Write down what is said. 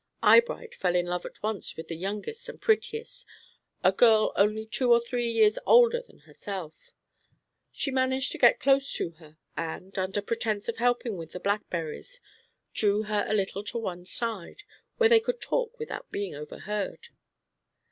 Eyebright fell in love at once with the youngest and prettiest, a girl only two or three years older than herself. She managed to get close to her, and, under pretence of helping with the blackberries, drew her a little to one side, where they could talk without being overheard.